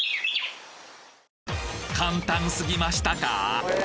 簡単すぎましたか？